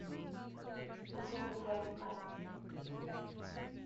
This is a safe place.